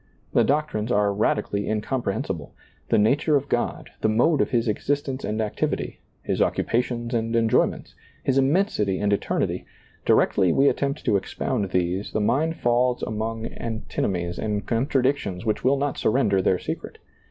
The doctrines are radically incomprehensi ble. The nature of God, the mode of His exist ence and activity. His occupations and enjoyments. His immensity and eternity, directly we attempt to expound these, the mind falls among antino mies and contradictions which will not surrender their secret.